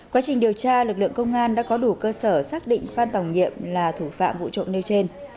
quá trình điều tra lực lượng công an đã có đủ cơ sở xác định phan tòng nhiệm là thủ phạm vụ trộm nêu trên